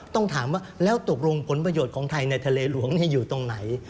ต้องถามว่าแล้วตกลงผลประโยชน์ของไทยในทะเลหลวงอยู่ตรงไหน